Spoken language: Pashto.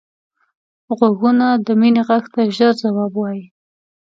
غوږونه د مینې غږ ته ژر ځواب وايي